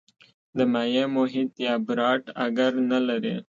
د مایع محیط یا براټ اګر نه لري.